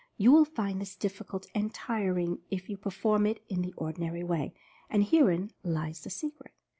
You will find this difficult, and tiring, if you perform it in the ordinary way — and herein lies the "secret."